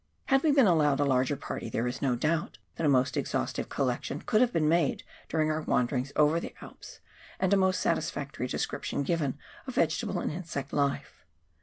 Had we been allowed a larger party, there is no doubt that a most exhaustive collection could have been made during our wanderings over the Alps, and a most satisfactory description given of vegetable and insect life.